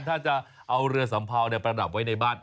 ถ้าจะเอาเรือสัมเภาประดับไว้ในบ้าน